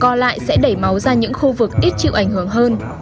các bệnh nhân sẽ đẩy máu ra những khu vực ít chịu ảnh hưởng hơn